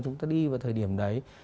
chúng ta đi vào thời điểm đấy